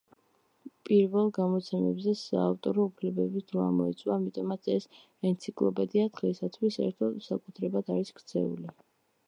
პირველ გამოცემებზე საავტორო უფლებების დრო ამოიწურა, ამიტომაც ეს ენციკლოპედია დღეისათვის საერთო საკუთრებად არის ქცეული.